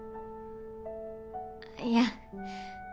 いや。